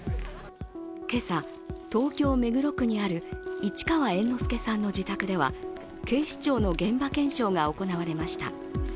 今朝、東京・目黒区にある市川猿之助さんの自宅では警視庁の現場検証が行われました。